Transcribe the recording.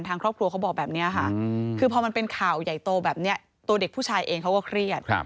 ตัวเด็กผู้ชายเองเขาก็เครียด